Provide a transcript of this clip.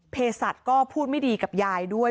สัตว์ก็พูดไม่ดีกับยายด้วย